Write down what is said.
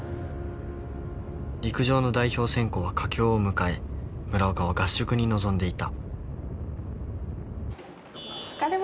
陸上の代表選考は佳境を迎え村岡は合宿に臨んでいた。